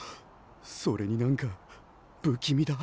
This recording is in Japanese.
それになんか不気味だ。